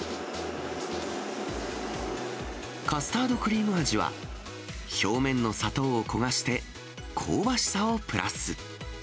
カスタードクリーム味は、表面の砂糖を焦がして香ばしさをプラス。